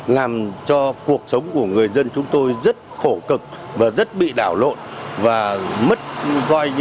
làm cho cuộc sống của người dân chúng tôi rất khổ cực và rất bị đảo lộn